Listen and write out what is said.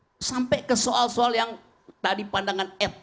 mengatur segala hal sampai ke soal soal yang tadi pandangan etis sewarga negara